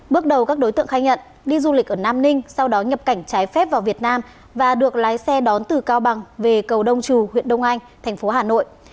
bước đầu các đối tượng khai nhận đi du lịch ở nam ninh sau đó nhập cảnh trái phép vào việt nam và được lái xe đón từ cao bằng về cầu đông trù huyện đông anh thành phố hà nội